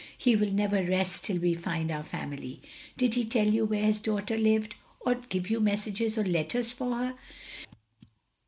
We will never rest till we find our family. Did he tell you where his daughter lived? or give you messages or letters for her?"